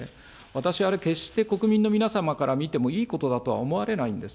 私はあれ、決して国民の皆さんから見てもいいことだとは思われないんです。